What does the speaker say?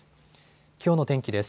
きょうの天気です。